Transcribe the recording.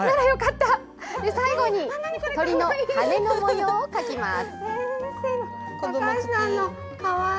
最後に鳥の羽の模様を描きます。